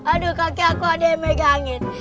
aduh koki aku ada yang megangin